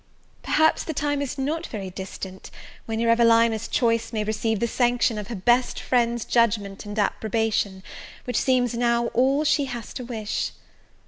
Perhaps the time is not very distant, when your Evelina's choice may receive the sanction of her best friend's judgment and approbation, which seems now all she has to wish!